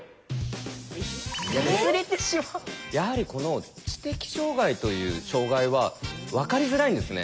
やはりこの知的障害という障害は分かりづらいんですね。